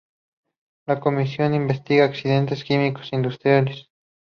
La comisión investiga accidentes químicos industriales.